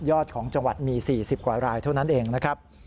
ของจังหวัดมี๔๐กว่ารายเท่านั้นเองนะครับ